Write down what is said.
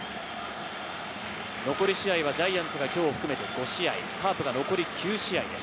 残り試合はジャイアンツが今日を含めて５試合、カープが残り９試合です。